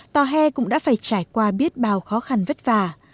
tòa hè cũng đã phải trải qua biết bao khó khăn vất vả